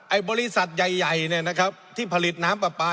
บริษัทใหญ่เนี่ยนะครับที่ผลิตน้ำปลาปลา